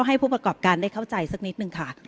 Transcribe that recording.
ให้ผู้ประกอบการได้เข้าใจสักนิดนึงค่ะ